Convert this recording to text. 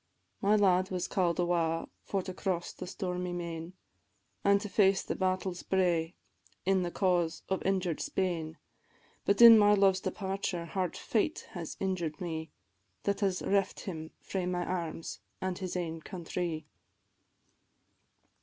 My lad was call'd awa for to cross the stormy main, An' to face the battle's bray in the cause of injured Spain; But in my love's departure hard fate has injured me, That has reft him frae my arms, an' his ain countrie.